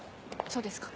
そうですか。